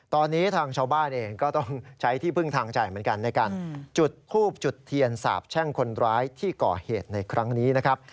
ตอนนี้ทางชาวบ้านเองก็ต้องใช้ที่พึ่งทางใจเหมือนกันในการจุดทูบจุดเทียนสาบแช่งคนร้ายที่ก่อเหตุในครั้งนี้นะครับ